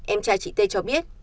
em trai chị t cho biết